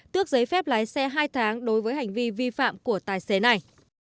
tước giấy phép lái xe hai tháng đối với hành vi vi phạm của tài xế này